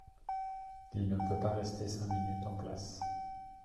Il ne peut pas rester cinq minutes en place…